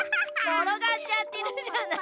ころがっちゃってるじゃない。